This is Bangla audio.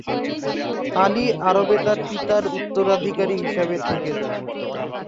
আলী আরবে তার পিতার উত্তরাধিকারী হিসেবে থেকে যান।